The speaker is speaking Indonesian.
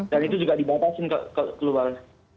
dan itu juga dibatasi keluar